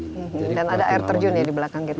oke dan ada air terjun ya di belakang kita